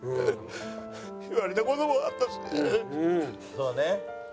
そうだね。